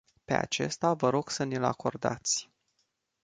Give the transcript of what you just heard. Pe acesta vă rog să ni-l acordați.